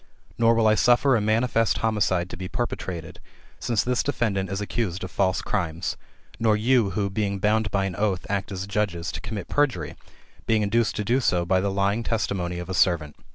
Nor will I suffer a manifest homicide to be perpe trated, since this defendant is accused of false crimes ; nor you who, being bound by an oath, act as judges, to commit perjury, being induced to do so by the lying testimony of a servant.